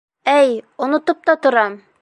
Әй, онотоп та торам!